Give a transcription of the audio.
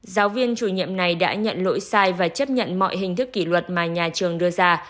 giáo viên chủ nhiệm này đã nhận lỗi sai và chấp nhận mọi hình thức kỷ luật mà nhà trường đưa ra